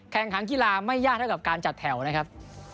แข่งขันกีฬาไม่ยากเท่ากับการจัดแถวนะครับ